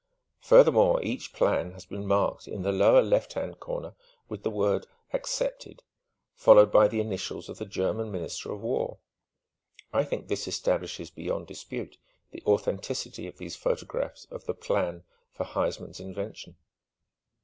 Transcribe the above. Furthermore, each plan has been marked in the lower left hand corner with the word 'accepted' followed by the initials of the German Minister of War. I think this establishes beyond dispute the authenticity of these photographs of the plan for Huysman's invention."